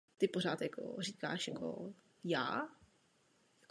Často jsou nahloučené na koncích větví.